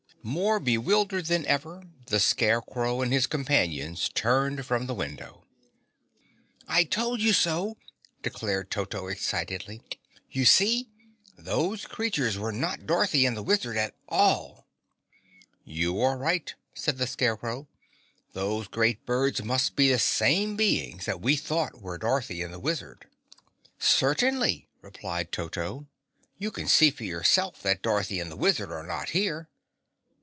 More bewildered than ever, the Scarecrow and his companions turned from the window. "I told you so!" declared Toto excitedly. "You see those creatures were not Dorothy and the Wizard at all." "You are right," said the Scarecrow, "those great birds must be the same beings that we thought were Dorothy and the Wizard." "Certainly," replied Toto. "You can see for yourself that Dorothy and the Wizard are not here."